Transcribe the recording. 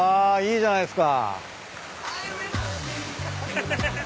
いいじゃないっすか。